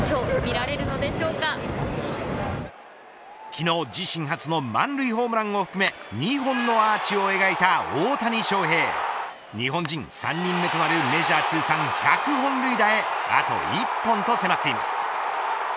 昨日自身初の満塁ホームランを含め日本のアーチを描いた大谷翔平日本人３人目となるメジャー通算１００本塁打へあと１本と迫っています。